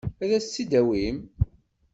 Ad as-tt-id-tawim?